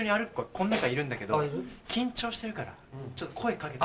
この中にいるんだけど緊張してるから声掛けて。